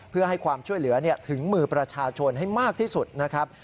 เพื่อให้ความช่วยเหลือถึงมือประชาชนให้มากที่สุดนะครับ